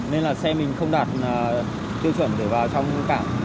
nên là xe mình không đạt tiêu chuẩn để vào trong cảng